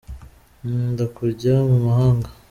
Ndenda kujya mu mahanga.